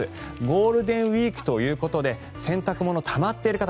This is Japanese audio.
ゴールデンウィークということで洗濯物たまっている方